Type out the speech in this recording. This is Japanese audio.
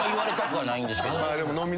はい。